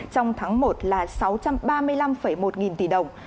trong tháng một là sáu trăm ba mươi năm một nghìn tỷ đồng